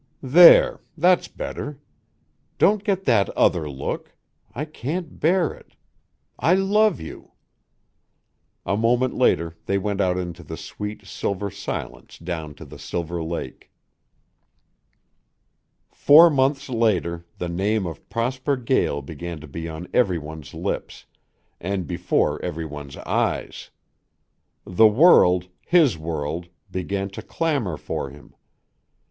"There! That's better. Don't get that other look. I can't bear it. I love you." A moment later they went out into the sweet, silver silence down to the silver lake. Four months later the name of Prosper Gael began to be on every one's lips, and before every one's eyes; the world, his world, began to clamor for him.